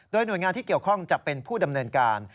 โดยหน่วยงานที่เกี่ยวข้องจะเป็นผู้ดำเนินการ